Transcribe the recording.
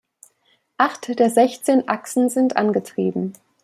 Acht der sechzehn Achsen sind angetrieben.